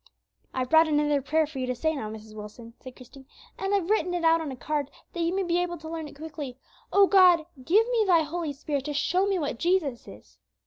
"I've brought another prayer for you to say now, Mrs. Wilson," said Christie, "and I've written it out on a card, that you may be able to learn it quickly: 'O God, give me Thy Holy Spirit, to show me what Jesus is.'